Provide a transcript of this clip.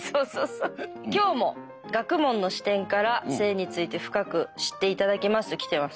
今日も学問の視点から性について深く知って頂きますと来てます。